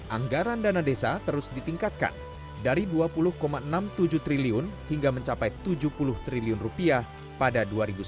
anggaran dana desa terus ditingkatkan dari rp dua puluh enam puluh tujuh triliun hingga mencapai rp tujuh puluh triliun rupiah pada dua ribu sembilan belas